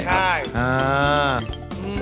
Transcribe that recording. ใช่